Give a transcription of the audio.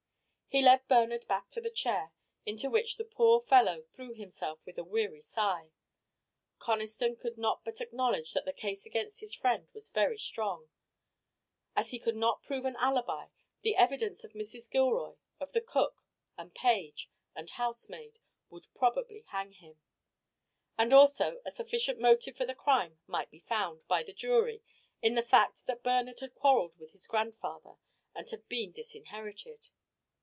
He led Bernard back to the chair, into which the poor fellow threw himself with a weary sigh. Conniston could not but acknowledge that the case against his friend was very strong. As he could not prove an alibi, the evidence of Mrs. Gilroy, of the cook, and page, and housemaid, would probably hang him. And also a sufficient motive for the crime might be found by the jury in the fact that Bernard had quarrelled with his grandfather and had been disinherited.